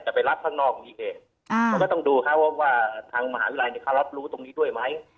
แต่ไปรับข้างนอกมีเหตุก็ต้องดูว่าทางมหาวิทยาลัยรับรู้ตรงนี้ด้วยไหม